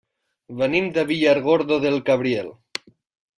Venim de Villargordo del Cabriel.